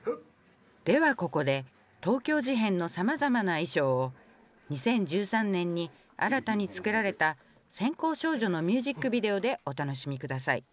ではここで東京事変のさまざまな衣装を２０１３年に新たに作られた「閃光少女」のミュージックビデオでお楽しみ下さい。